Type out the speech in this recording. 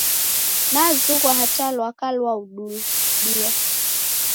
Nazughwa hata lwaka lwaududia.